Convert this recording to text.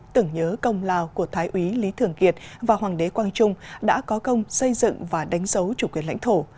tưởng nhớ công lao của thái úy lý thường kiệt và hoàng đế quang trung đã có công xây dựng và đánh dấu chủ quyền lãnh thổ